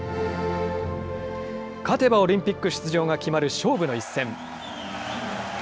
勝てばオリンピック出場が決まる勝負の一戦。